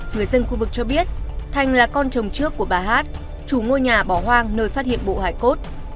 người dân khu vực cho biết thành là con chồng trước của bà hát chủ ngôi nhà bỏ hoang nơi phát hiện bộ hải cốt